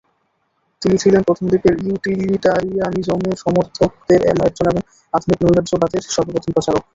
তিনি ছিলেন প্রথমদিকের ইউটিলিটারিয়ানিজম সমর্থকদের একজন এবং আধুনিক নৈরাজ্যবাদের সর্বপ্রথম প্রচারক।